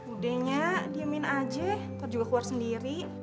udahnya diemin aja atau juga keluar sendiri